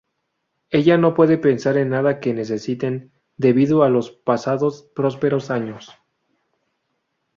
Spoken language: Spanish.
Ella no puede pensar en nada que necesiten, debido a los pasados prósperos años.